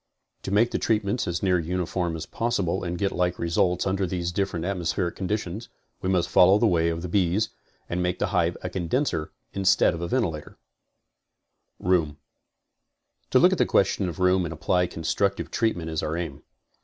To make the treatments as near uniform as possible and get like results under these different atmospheric conditions, we must follow the way of the bees and make the hive a condenser instead of a ventilator. CONSTRUCTIVE BEEKEEPING 9 ROOM To look at the question of room and apply constructive treat ment is our aim.